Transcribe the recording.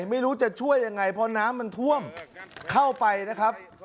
ไม่รู้จะช่วยยังไงพอน้ำมันท่วมเข้าไปนะครับ